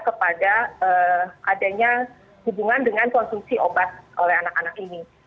kepada adanya hubungan dengan konsumsi obat oleh anak anak ini